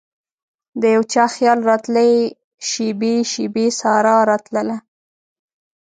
دیو چا خیال راتلي شیبې ،شیبې سارا راتلله